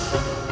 aku sudah lihat